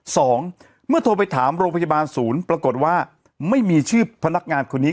สองเมื่อโทรไปถามโรงพยาบาลศูนย์ปรากฏว่าไม่มีชื่อพนักงานคนนี้